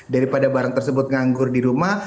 daripada barang tersebut nganggur di rumah